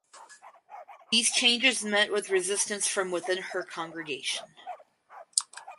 These changes met with resistance from within her congregation.